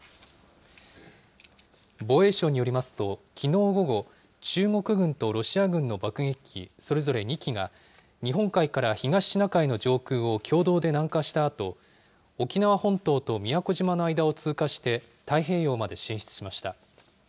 防衛省によりますと、きのう午後、中国軍とロシア軍の爆撃機それぞれ２機が、日本海から東シナ海の上空を共同で南下したあと、沖縄本島と宮古島の間を通過して、太平洋まで進出しました。